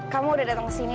kamu udah datang kesini